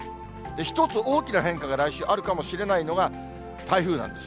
一つ大きな変化があるかもしれないのが、台風なんです。